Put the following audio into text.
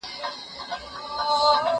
خبري د مور له خوا اورېدلي کيږي!!